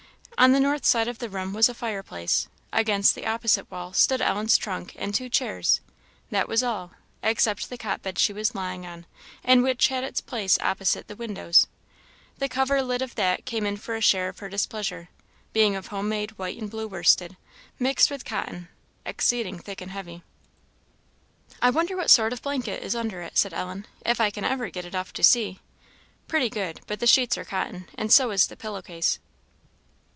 On the north side of the room was a fireplace; against the opposite wall stood Ellen's trunk and two chairs; that was all, except the cot bed she was lying on, and which had its place opposite the windows. The coverlid of that came in for a share of her displeasure, being of home made white and blue worsted, mixed with cotton, exceeding thick and heavy. "I wonder what sort of a blanket is under it," said Ellen, "if I can ever get it off to see! Pretty good; but the sheets are cotton, and so is the pillow case!"